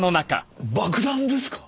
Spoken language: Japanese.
爆弾ですか！？